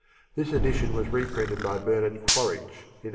This edition was reprinted by Bernard Quaritch in 1862.